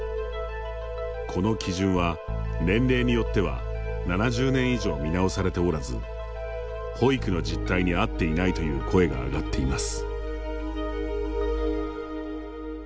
この基準は、年齢によっては７０年以上、見直されておらず保育の実態に合っていないという声が上がっています。